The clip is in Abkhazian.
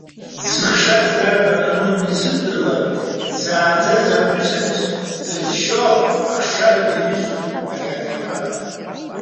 Дзыхшаз дарбан ану анизымдырлак, дзааӡаз аԥҳәыс аныс дызшьо ахшара диҩызоуп ари аҭаҳмада.